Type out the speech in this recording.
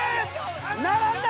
並んだ！